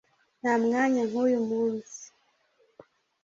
ntamwanya nkuyu munsi